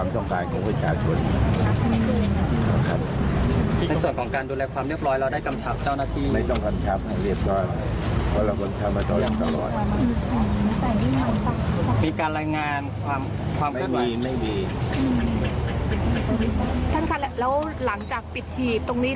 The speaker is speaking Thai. ท่านค่ะแล้วหลังจากปิดหีบตรงนี้